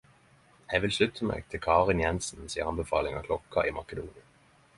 Eg vil slutte meg til Karin Jensen si anbefaling av Klokken i Makedonia.